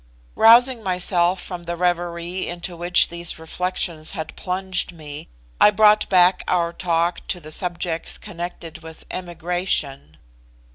Rousing myself from the reverie into which these reflections had plunged me, I brought back our talk to the subjects connected with emigration.